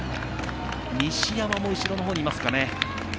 西山も後ろの方にいますかね。